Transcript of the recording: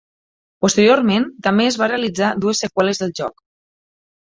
Posteriorment, també es van realitzar dues seqüeles del joc.